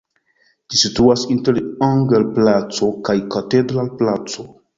Ĝi situas inter Anger-placo kaj Katedral-placo.